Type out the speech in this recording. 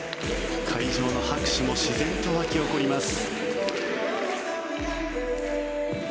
会場の拍手も自然と湧き起こります。